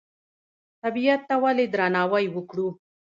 طبیعت ته ولې درناوی وکړو؟